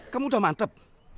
kamu udah mantep